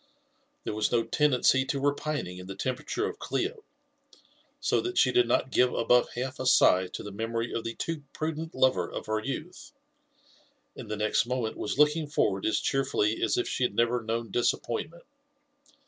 " There was no tendency to repining in the temper of Clio, so (hat , she did not give above half a sigh to the memory of the too prudent / lover of her youth, and the next moment was looking forward as cheer ' fully as if she had never known disappointment.